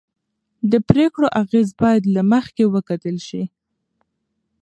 د پرېکړو اغېز باید له مخکې وکتل شي